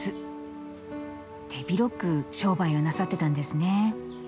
手広く商売をなさってたんですねえ。